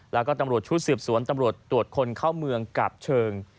แล้วก็ตำรวจชุดสืบสวนตำรวจตรวจคนเข้าเมืองกาบเชิง